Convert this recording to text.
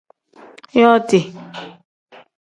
Yooti.